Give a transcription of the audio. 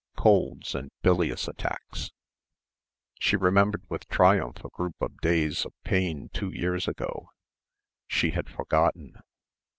Colds and bilious attacks.... She remembered with triumph a group of days of pain two years ago. She had forgotten....